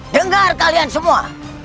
dengar kalian semua